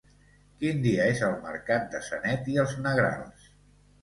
Quin dia és el mercat de Sanet i els Negrals?